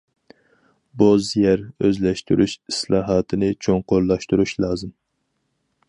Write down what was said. بوز يەر ئۆزلەشتۈرۈش ئىسلاھاتىنى چوڭقۇرلاشتۇرۇش لازىم.